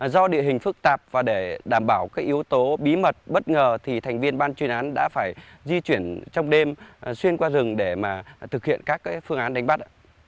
do địa hình phức tạp và để đảm bảo các yếu tố bí mật bất ngờ thì thành viên ban chuyên án đã phải di chuyển trong đêm xuyên qua rừng để thực hiện các phương án đánh bắt